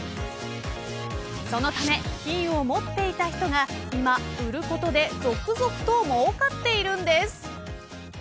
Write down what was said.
そのため金を持っていた人が今売ることで続々と儲かっているんです。